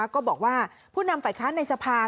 ก็บอกว่าผู้นำฝ่ายค้านในสภา